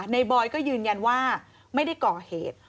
บอยก็ยืนยันว่าไม่ได้ก่อเหตุ